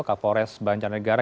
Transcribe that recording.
kapolres banjar negara